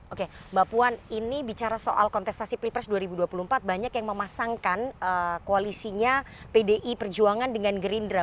oke mbak puan ini bicara soal kontestasi pilpres dua ribu dua puluh empat banyak yang memasangkan koalisinya pdi perjuangan dengan gerindra